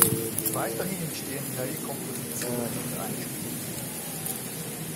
Weiterhin entstehen neue Kompositionen und Einspielungen.